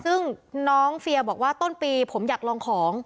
ซึ่งน้องเฟียบอกว่าต้นปีผมอยากลองของ